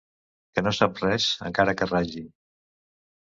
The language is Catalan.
Que no sap res, encara que ragin.